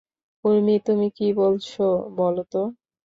উর্মি, তুমি কী বলছো বলো তো?